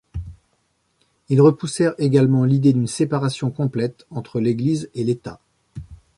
Ils repoussèrent également l’idée d’une séparation complète entre l’Église et l’État.